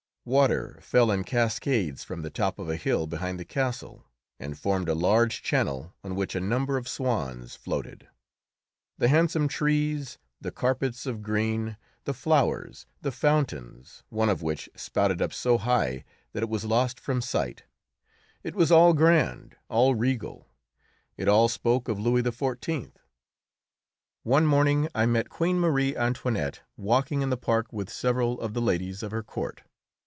Water fell in cascades from the top of a hill behind the castle, and formed a large channel on which a number of swans floated. The handsome trees, the carpets of green, the flowers, the fountains, one of which spouted up so high that it was lost from sight it was all grand, all regal; it all spoke of Louis XIV. One morning I met Queen Marie Antoinette walking in the park with several of the ladies of her court.